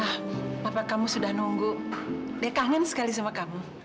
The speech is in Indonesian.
kak mila papa kamu sudah nunggu dia kangen sekali sama kamu